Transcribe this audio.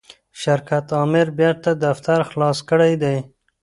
شرکت آمر بیرته دفتر خلاص کړی دی.